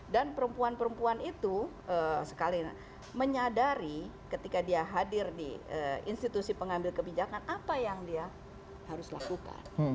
dan perempuan perempuan itu sekali lagi menyadari ketika dia hadir di institusi pengambil kebijakan apa yang dia harus lakukan